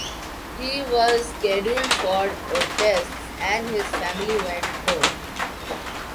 He was scheduled for tests and his family went home.